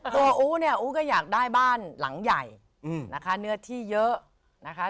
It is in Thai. ตัวอุ๊ก็อยากได้บ้านหลังใหญ่เนื้อที่เยอะ